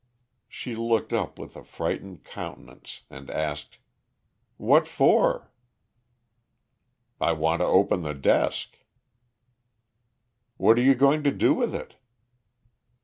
She looked up with a frightened countenance, and asked: "What for?" "I want to open the desk." "What are you going to do with it?"